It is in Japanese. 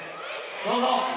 どうぞ！